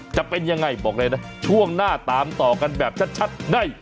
จะเป็นยังไงบอกเลยนะช่วงหน้าตามต่อกันแบบชัดใน